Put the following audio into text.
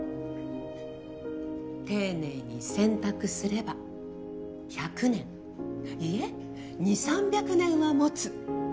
丁寧に洗濯すれば１００年いえ２００３００年は持つ。